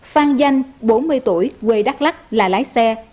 phan danh bốn mươi tuổi quê đắk lắc là lái xe